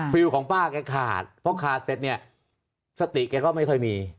ฟิลของป้าแกขาดเพราะขาดเสร็จเนี่ยสติแกก็ไม่ค่อยมี